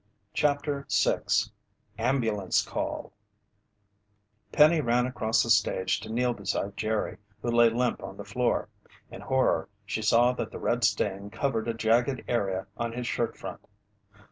CHAPTER 6 AMBULANCE CALL Penny ran across the stage to kneel beside Jerry, who lay limp on the floor. In horror, she saw that the red stain covered a jagged area on his shirt front.